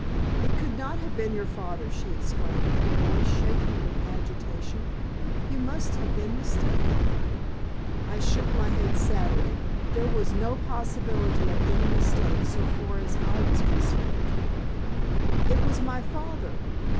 "It could not have been your father," she exclaimed, her voice shaking with agitation. "You must have been mistaken." I shook my head sadly. There was no possibility of any mistake so far as I was concerned. "It was my father.